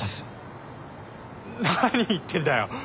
何言ってんだよ！